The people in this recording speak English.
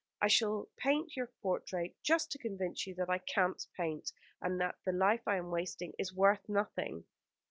I shall paint your portrait, just to convince you that I can't paint, and that the life I am wasting is worth nothing."